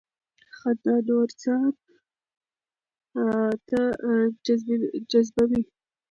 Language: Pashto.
خندا نور ځان ته جذبوي.